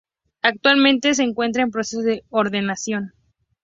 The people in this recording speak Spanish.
Actualmente se encuentra en proceso de ordenación.